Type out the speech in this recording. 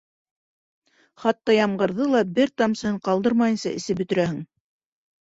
Хатта ямғырҙы ла бер тамсыһын ҡалдырмайынса эсеп бөтөрәһең.